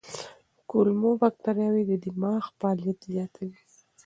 کولمو بکتریاوې د دماغ فعالیت زیاتوي.